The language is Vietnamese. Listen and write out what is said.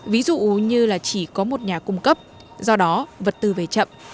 ví dụ như là chỉ có một nhà cung cấp do đó vật tư về chậm